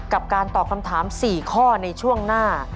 กับการตอบคำถาม๔ข้อในช่วงหน้า